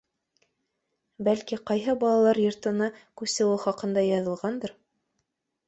Бәлки, ҡайһы балалар йортона күсеүе хаҡында яҙылғандыр.